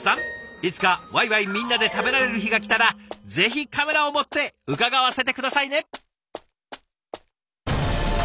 いつかワイワイみんなで食べられる日が来たらぜひカメラを持って伺わせて下さいね。